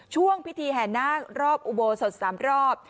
ช่วงพิธีแห่นาครอบอุโบสถ๓รอบ